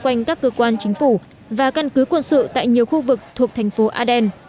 quanh các cơ quan chính phủ và căn cứ quân sự tại nhiều khu vực thuộc thành phố aden